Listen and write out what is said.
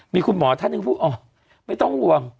มีคุณหมอท่านหนึ่งพูดอ๋อไม่ต้องห่วง